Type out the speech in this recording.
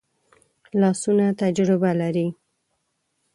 لاسونه تجربه لري